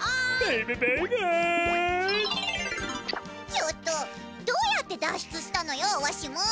ちょっとどうやってだっしゅつしたのよわしも。